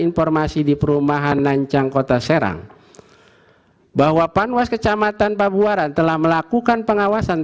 informasi di perumahan nancang kota serang bahwa panwas kecamatan pabuaran telah melakukan pengawasan